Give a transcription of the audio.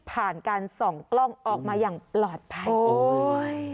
ผ่านการส่องกล้องออกมาอย่างปลอดภัยโอ้ย